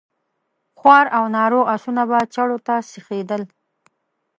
خوار او ناروغ آسونه به چړو ته سيخېدل.